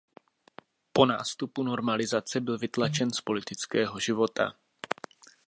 Po nástupu normalizace byl vytlačen z politického života.